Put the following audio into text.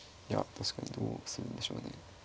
確かにどうするんでしょうね。